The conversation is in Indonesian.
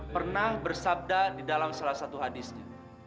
pernah bersabda di dalam salah satu hadisnya